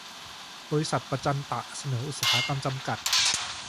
บริษัท ประจันตะเสนอุตสาหกรรม จำกัด